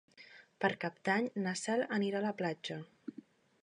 Per Cap d'Any na Cel anirà a la platja.